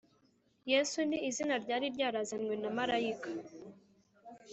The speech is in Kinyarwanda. Yesu ni izina ryari ryaravuzwe na marayika